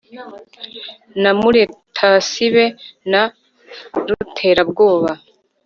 Na Muratasibe na Ruterabwoba